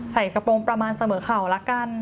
ใส่กระโปรงประมาณเสมอข่าวละกัน